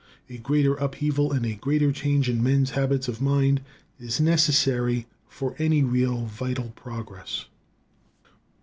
A greater upheaval, and a greater change in men's habits of mind, is necessary for any really vital progress.